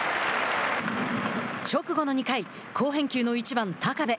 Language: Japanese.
直後の２回好返球の１番高部。